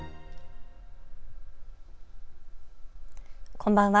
こんばんは。